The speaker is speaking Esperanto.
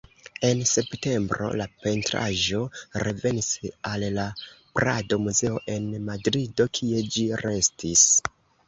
En septembro, la pentraĵo revenis al la Prado-Muzeo en Madrido, kie ĝi restis.